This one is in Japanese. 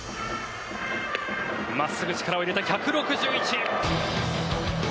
まっすぐ、力を入れて１６１！